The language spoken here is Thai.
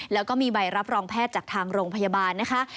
แล้วก็มีใบรับรองแพทย์จากทางโรงพยาบาลนะคะ